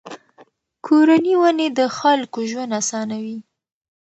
کورني ونې د خلکو ژوند آسانوي.